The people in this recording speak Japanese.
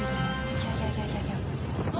いやいやいやいや。